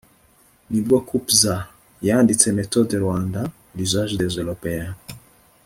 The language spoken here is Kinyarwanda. ni bwo coupez a. yanditse méthode rwanda { l'usage des européens